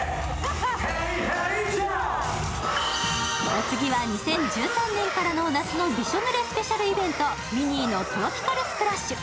お次は２０１３年からの夏のびしょぬれスペシャルイベント、ミニーのトロピカルスプラッシュ。